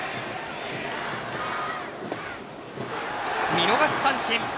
見逃し三振。